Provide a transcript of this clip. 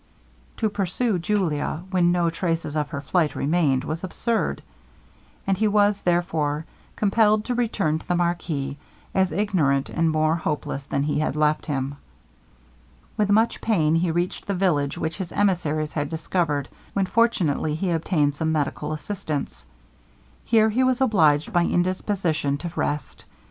To pursue Julia, when no traces of her flight remained, was absurd; and he was, therefore, compelled to return to the marquis, as ignorant and more hopeless than he had left him. With much pain he reached the village which his emissaries had discovered, when fortunately he obtained some medical assistance. Here he was obliged by indisposition to rest.